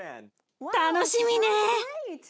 楽しみね！